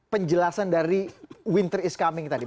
penjelasan dari winter is coming tadi